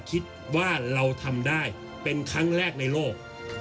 คิดว่าเราทำได้เป็นครั้งแรกในโลก